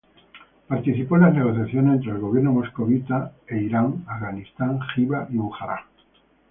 Participó en las negociaciones entre el Gobierno moscovita e Irán, Afganistán, Jiva y Bujará.